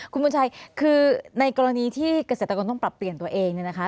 คุณบุญชัยคือในกรณีที่เกษตรกรต้องปรับเปลี่ยนตัวเองเนี่ยนะคะ